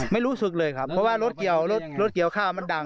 ไม่รู้สึกเลยครับเพราะว่ารถเกี่ยวรถรถเกี่ยวข้าวมันดัง